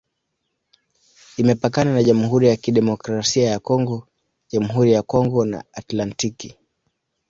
Imepakana na Jamhuri ya Kidemokrasia ya Kongo, Jamhuri ya Kongo na Atlantiki.